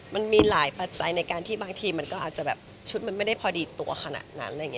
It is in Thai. มันมีหลายปัจจัยในการมันไม่ได้ชุดพอดีเท่านั้น